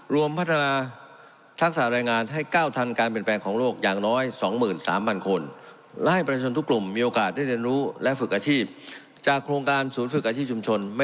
รวมพัฒนาทักษะรายงานให้ก้าวทันการเปลี่ยนแปลงของโลกอย่างน้อย๒หมื่น๓พันคน